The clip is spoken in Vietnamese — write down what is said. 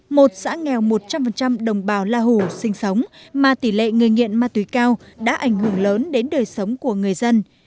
một xã nghèo một trăm linh đồng bào la hủ sinh sống mà tỷ lệ người nghiện ma túy cao đã ảnh hưởng lớn đến đời sống của người dân